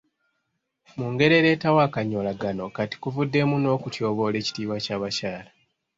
Mu ngeri ereetawo akanyoolagano kati kuvuddemu n'okutyoboola ekitiibwa ky'abakyala.